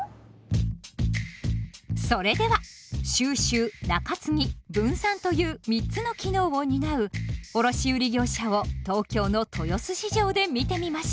それでは収集・仲継・分散という三つの機能を担う卸売業者を東京の豊洲市場で見てみましょう。